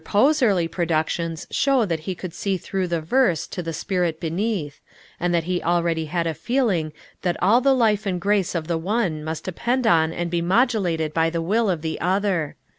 Poe's early productions show that he could see through the verse to the spirit beneath, and that he already had a feeling that all the life and grace of the one must depend on and be modulated by the will of the other.